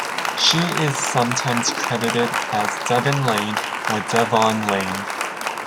She is sometimes credited as Devin Lane or Devon Lane.